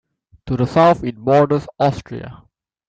To the south it borders Austria.